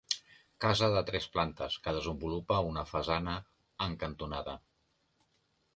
Casa de tres plantes que desenvolupa una façana en cantonada.